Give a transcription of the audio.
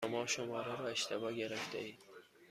شما شماره را اشتباه گرفتهاید.